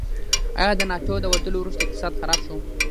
آیا د ناټو د وتلو وروسته اقتصاد خراب شو؟